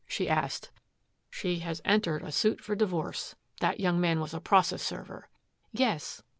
she asked. "She has entered a suit for divorce. That young man was a process server." "Yes."